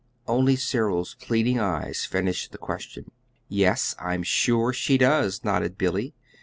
Only Cyril's pleading eyes finished the question. "Yes, I'm sure she does," nodded Billy.